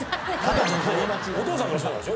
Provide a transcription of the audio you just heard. お父さんからそうなんでしょ？